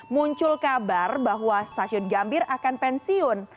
muncul kabar bahwa stasiun gambir akan pensiun